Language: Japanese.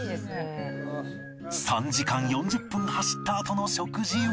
３時間４０分走ったあとの食事は